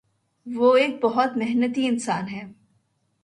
وہ ایک بہت محنتی انسان ہے۔